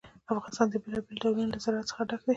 افغانستان د بېلابېلو ډولونو له زراعت څخه ډک دی.